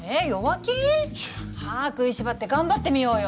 歯食いしばって頑張ってみようよ。